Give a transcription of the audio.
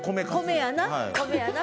米やな米やな。